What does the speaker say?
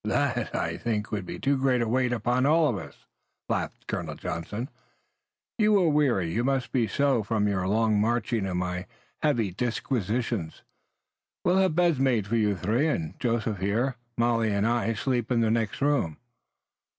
"That I think would be too great a weight upon us all," laughed Colonel Johnson. "You are weary. You must be so from your long marching and my heavy disquisitions. We'll have beds made for you three and Joseph here. Molly and I sleep in the next room."